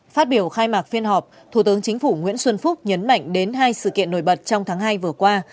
phát biểu khai mạc phiên họp thủ tướng chính phủ nguyễn xuân phúc nhấn mạnh đến hai sự kiện nổi bật trong tháng hai vừa qua